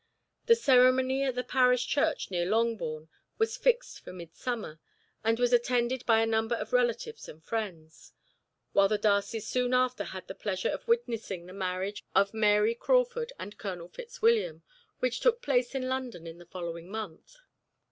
The ceremony at the parish church near Longbourn was fixed for Midsummer, and was attended by a number of relatives and friends; while the Darcys soon after had the pleasure of witnessing the marriage of Mary Crawford and Colonel Fitzwilliam, which took place in London in the following month.